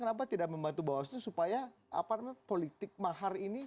kenapa tidak membantu bawaslu supaya politik mahar ini